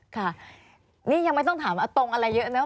ค่ะนี่ยังไม่ต้องถามว่าตรงอะไรเยอะนะ